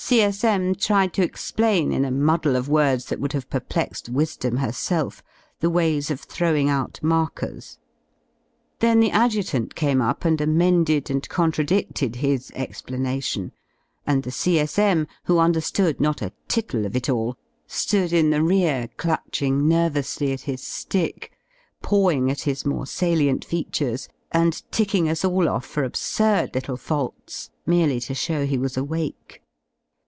C.S.M. tried to explain, in a muddle of words that would have perplexed Wisdom herself, the ways of throwing out markers. Then the Adjutant came up and amended and contradidled his explanation, and the C.S.M., who underwood not a tittle o^ it all, ^ood in the rear clutching nervously at his ^ick, pawing at his more salient features, and ticking us all off for absurd little faults merely to show he was awake.